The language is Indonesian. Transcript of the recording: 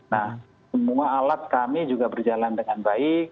nah semua alat kami juga berjalan dengan baik